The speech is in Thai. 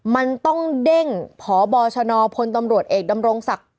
มันต้องเด้งพบชนพลตำรวจเอกดำรงศักดิ์